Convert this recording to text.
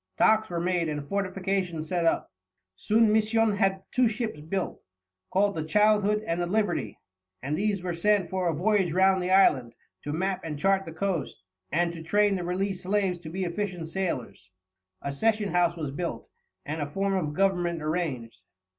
Docks were made and fortifications set up. Soon Misson had two ships built, called the Childhood and the Liberty, and these were sent for a voyage round the island, to map and chart the coast, and to train the released slaves to be efficient sailors. A Session House was built, and a form of Government arranged.